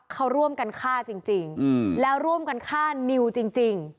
เขาร่วมกันฆ่าจริงจริงอืมแล้วร่วมกันฆ่านิวจริงจริง